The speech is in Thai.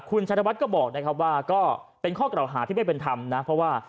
คุณชัยธวัฒน์ก็บอกนะครับว่าก็เป็นข้อกล่าวหาที่ไม่เป็นธรรมนะเพราะว่า